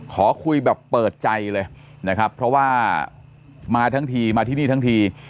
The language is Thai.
ขอคุยแบบเปิดใจเลยนะครับเพราะว่ามาทั้งทีมาที่นี่ทั้งที